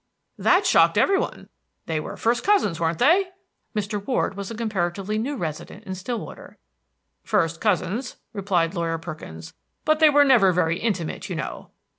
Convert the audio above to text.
"That shocked every one. They were first cousin's weren't they?" Mr. Ward was a comparatively new resident in Stillwater. "First cousins," replied Lawyer Perkins; "but they were never very intimate, you know."